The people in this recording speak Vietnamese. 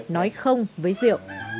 nói không với rượu